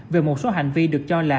về một số hành vi được cho là